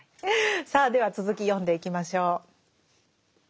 さあでは続き読んでいきましょう。